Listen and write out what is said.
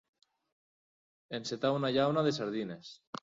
Encetar una llauna de sardines.